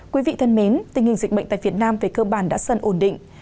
quý vị thân mến tình hình dịch bệnh tại việt nam về cơ bản đã dần ổn định